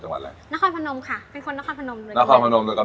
ดูไงคะ